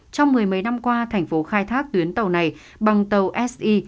trong mười mấy năm qua thành phố khai thác tuyến tàu này bằng tàu si